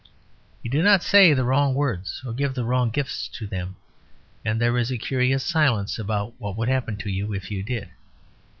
You do not say the wrong words or give the wrong gifts to them; and there is a curious silence about what would happen to you if you did.